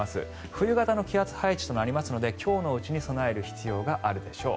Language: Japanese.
冬型の気圧配置となりますので今日のうちに備える必要があるでしょう。